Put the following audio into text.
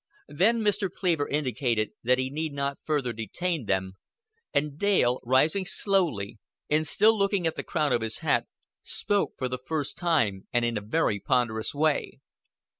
Then Mr. Cleaver indicated that he need not further detain them, and Dale, rising slowly and still looking at the crown of his hat, spoke for the first time and in a very ponderous way.